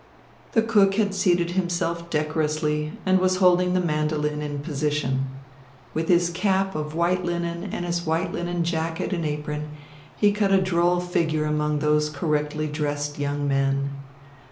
The cook had seated himself decorously and was holding the mandolin in position. With his cap of white linen and his white linen jacket and apron, he cut a droll figure among those correctly dressed young men.